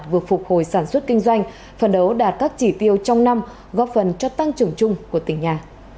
vừa phục hồi sản xuất kinh doanh phần đấu đạt các chỉ tiêu trong năm góp phần cho tăng trưởng chung của tỉnh nhà